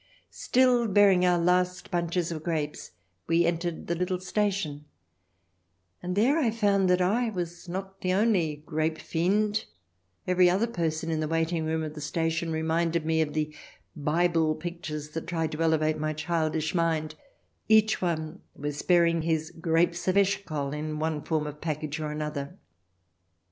... Still bearing our last bunches of grapes, we entered the little station, and there I found that I was not the only grape fiend. Every other person in the waiting room of the station reminded me of the Bible pictures that tried to elevate my childish mind — each one w^as bearing his grapes of Eshcol in cH.xxi] "TAKE US THE LITTLE FOXES" 319 one form of package or another.